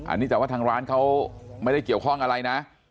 อันนี้แต่ว่าทางร้านเขาไม่ได้เกี่ยวข้องอะไรนะ